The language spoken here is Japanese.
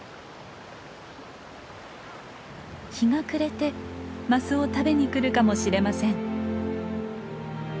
日が暮れてマスを食べにくるかもしれません。